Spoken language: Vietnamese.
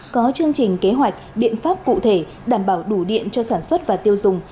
có chương trình kế hoạch biện pháp cụ thể đảm bảo đủ điện cho sản xuất và tiêu dùng